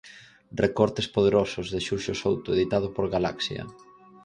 Recortes poderosos, de Xurxo Souto, editado por Galaxia.